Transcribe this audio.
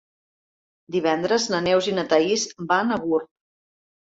Divendres na Neus i na Thaís van a Gurb.